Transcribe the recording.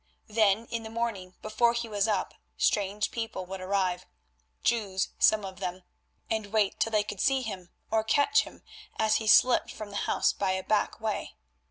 Then in the morning, before he was up, strange people would arrive, Jews some of them, and wait till they could see him, or catch him as he slipped from the house by a back way.